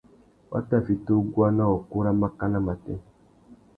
Wa tà mà fiti uguá ná ukú râ mákànà matê.